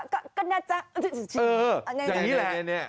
ก็นะจ๊ะเอออย่างนี้แหละ